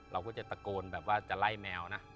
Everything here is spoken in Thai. เราก็จะตะโกนแบบว่าจะไล่แมวนะ